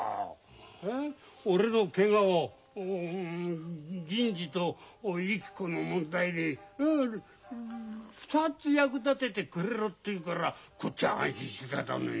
「俺のケガを銀次とゆき子の問題に２つ役立ててくれ」って言うからこっちは安心してたのに。